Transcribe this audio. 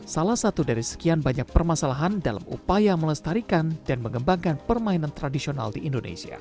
salah satu dari sekian banyak permasalahan dalam upaya melestarikan dan mengembangkan permainan tradisional di indonesia